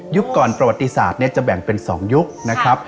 ยุคก่อนประวัติศาสตร์จะแบ่งเป็นสองยุคนะครับ